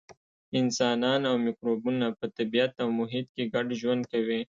انسانان او مکروبونه په طبیعت او محیط کې ګډ ژوند کوي.